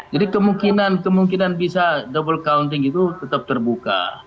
jadi kemungkinan bisa double counting itu tetap terbuka